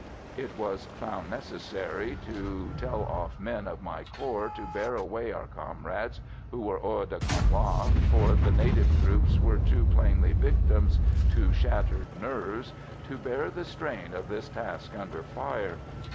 It was found necessary to tell off men of my corps to bear away our comrades who were hors de combat, for the native troops were too plainly victims to shattered nerves to bear the strain of this task under fire.